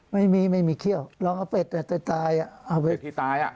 ไม่มีไม่มีเขี้ยวล้องเอาเป็ดน่ะตายตาย